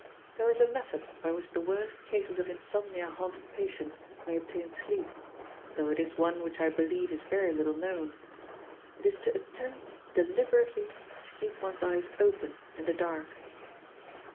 There is a method by which the worst cases of insomnia haunted patients may obtain sleep, though it is one which I believe is very little known. It is to attempt deliberately to keep one's eyes open in the dark.